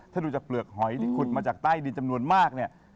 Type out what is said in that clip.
ถ้าดูจากเปลือกหอยที่ขุดมาจากใต้ดินจำนวนมากเนี่ย